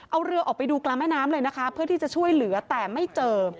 เอาเรือออกไปดูกลางแม่น้ำเลยนะคะเพื่อที่จะช่วยเหลือแต่ไม่เจอ